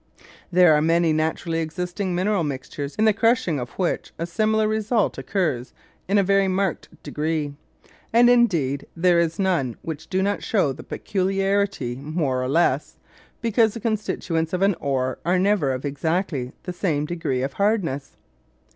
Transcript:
There are many naturally existing mineral mixtures in the crushing of which a similar result occurs in a very marked degree; and, indeed, there are none which do not show the peculiarity more or less, because the constituents of an ore are never of exactly the same degree of hardness.